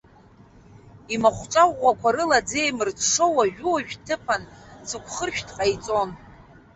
Имахәҿа ӷәӷәақәа рыла аӡы еимырҽҽо, уажәы-уажәы дҭыԥан цыгәхыршәҭ ҟаиҵон.